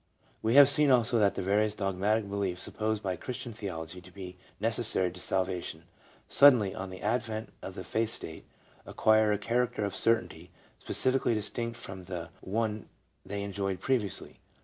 We have seen also that various dogmatic beliefs supposed by Christian theology to be necessary to Salvation, suddenly, on the advent of the faith state, acquire a character of certainty specifically distinct from the one they enjoyed previously.